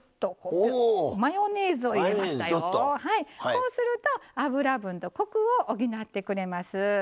こうすると脂分とコクを補ってくれます。